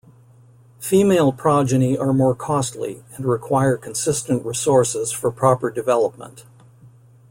Female progeny are more costly and require consistent resources for proper development.